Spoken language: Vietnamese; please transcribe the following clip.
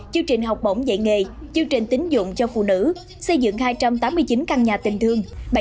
chương trình học bổng dạy nghề chương trình tính dụng cho phụ nữ xây dựng hai trăm tám mươi chín căn nhà tình thương